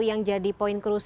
yang jadi poin